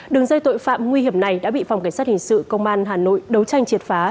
đường dây tội phạm nguy hiểm này đã bị phòng cảnh sát hình sự công an hà nội đấu tranh triệt phá